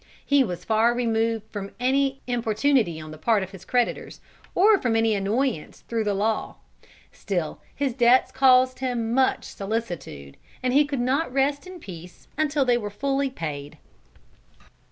He was far removed from any importunity on the part of his creditors, or from any annoyance through the law. Still his debts caused him much solicitude, and he could not rest in peace until they were fully paid.